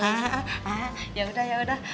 hah yaudah yaudah